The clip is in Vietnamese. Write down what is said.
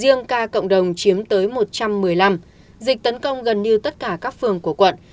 riêng ca cộng đồng chiếm tới một trăm một mươi năm dịch tấn công gần như tất cả các phường của quận